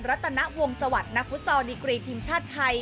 รัฐนวงศวรรฯณฟุตซอลดีกรีทีมชาติไทย